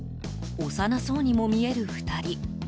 幼そうにも見える２人。